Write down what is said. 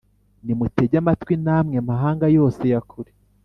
Nimutege amatwi, namwe mahanga yose ya kure!